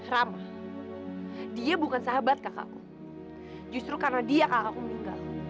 rama dia bukan sahabat kakakku justru karena dia kakakku meninggal